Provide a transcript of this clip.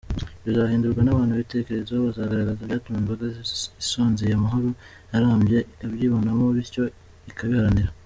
Bizahindurwa n’abantu n’ibitekerezo bazagaragaza byatuma imbaga isonzeye amahoro arambye ibyibonamo bityo ikabiharanira.